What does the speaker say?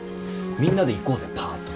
みんなで行こうぜパーッとさ。